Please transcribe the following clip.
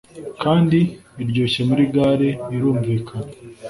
Kandi iryoshye muri gale irumvikana